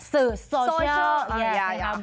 สื่อโซเชียล